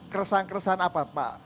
keresahan keresahan apa pak